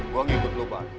gue ngikut lu bar